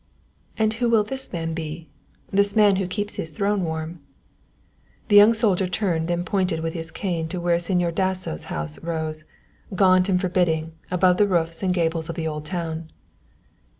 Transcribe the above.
"And who will this man be this man who keeps his throne warm?" The young soldier turned and pointed with his cane to where Señor Dasso's house rose, gaunt and forbidding, above the roofs and gables of the old town.